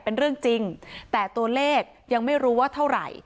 เป็นเรื่องจริงแต่ตัวเลขยังไม่รู้ว่าเท่าไหร่